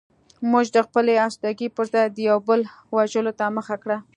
موږ د خپلې اسودګۍ پرځای د یو بل وژلو ته مخه کړه